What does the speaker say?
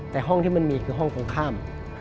แต่ห้องที่มันมีคือห้องตรงข้าม